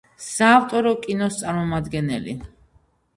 საავტორო კინოს წარმომადგენელი.